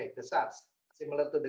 yang kedua adalah bagaimana kita